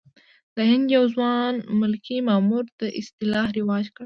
د هند یو ځوان ملکي مامور دا اصطلاح رواج کړه.